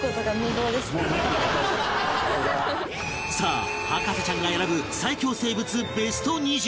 さあ博士ちゃんが選ぶ最恐生物ベスト２０